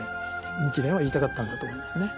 日蓮は言いたかったんだと思いますね。